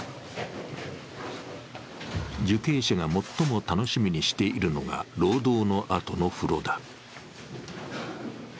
受刑者が最も楽しみにしているのが労働のあとの風呂だ。